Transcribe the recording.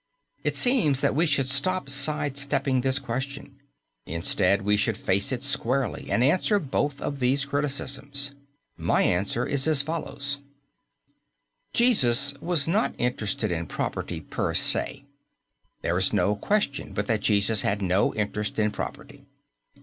It seems that we should stop side stepping this question. Instead we should face it squarely and answer both of these criticisms. My answer is as follows: Jesus was not interested in property, per se. There is no question but that Jesus had no interest in property.